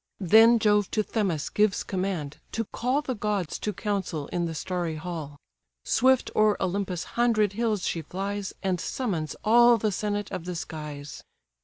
Then Jove to Themis gives command, to call The gods to council in the starry hall: Swift o'er Olympus' hundred hills she flies, And summons all the senate of the skies.